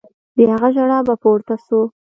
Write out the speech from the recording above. د هغه ژړا به پورته سوه.